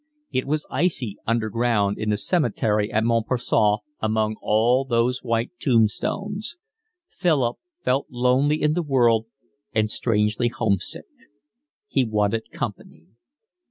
It was icy underground in the cemetery at Montparnasse among all those white tombstones. Philip felt lonely in the world and strangely homesick. He wanted company.